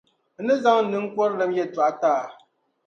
N ni zaŋ n ninkurilim yɛtɔɣa ti a.